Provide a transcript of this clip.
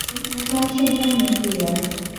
嘉庆三年举人。